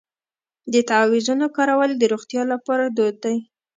د تعویذونو کارول د روغتیا لپاره دود دی.